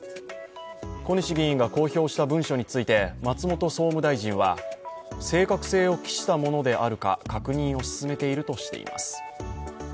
小西議員が公表した文書について松本総務大臣は正確性を期したものであるか確認を進めているとしています。